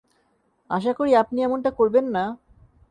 আশা করি আপনি এমনটা করবেন না?